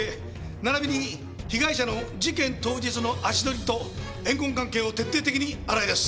並びに被害者の事件当日の足取りと怨恨関係を徹底的に洗い出す。